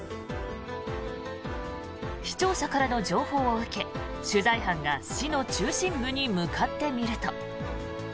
視聴者からの情報を受け取材班が市の中心部に向かってみると。